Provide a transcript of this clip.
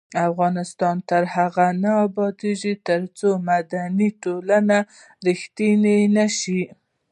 افغانستان تر هغو نه ابادیږي، ترڅو مدني ټولنې ریښتینې نشي.